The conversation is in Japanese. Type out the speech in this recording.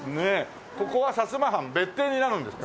ここは摩藩別邸になるんですか？